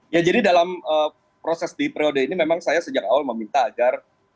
ya jadi dalam proses di periode ini memang saya sejak awal meminta agar